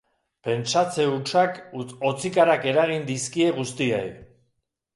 Pentsatze hutsak hotzikarak eragin dizkie guztiei.